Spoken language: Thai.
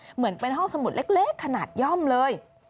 เหมือนเป็นห้องสมุดเล็กขนาดย่อมเลย